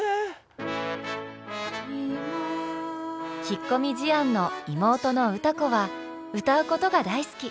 引っ込み思案の妹の歌子は歌うことが大好き。